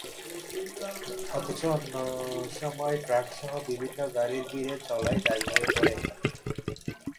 অথচ অন্য সময় ট্রাকসহ বিভিন্ন গাড়ির ভিড়ে চলাই দায় হয়ে পড়ে এখানে।